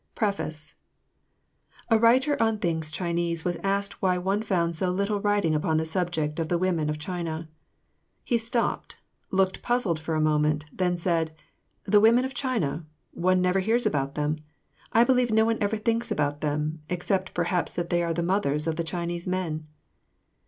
Preface_. A writer on things Chinese was asked why one found so little writing upon the subject of the women of China. He stopped, looked puzzled for a moment, then said, "The woman of China! One never hears about them. I believe no one ever thinks about them, except perhaps that they are the mothers of the Chinese men!"